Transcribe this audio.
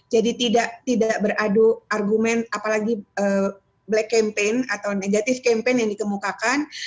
jadi tidak beradu argumen apalagi black campaign atau negatif campaign yang dikemukakan